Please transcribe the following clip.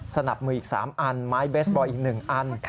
สนับมืออีก๓อันไม้เบสบอลอีก๑อัน